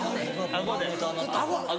顎で。